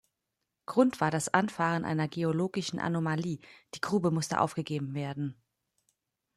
Grund war das Anfahren einer geologischen Anomalie, die Grube musste aufgegeben werden.